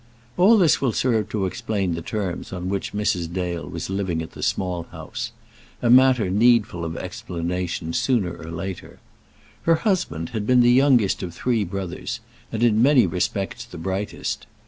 All this will serve to explain the terms on which Mrs. Dale was living at the Small House, a matter needful of explanation sooner or later. Her husband had been the youngest of three brothers, and in many respects the brightest.